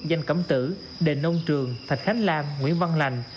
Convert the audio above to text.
danh cẩm tử đền nông trường thạch khánh lan nguyễn văn lành